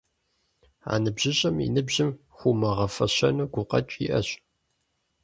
А ныбжьыщӀэм и ныбжьым хуумыгъэфэщэну гукъэкӀ иӀэщ.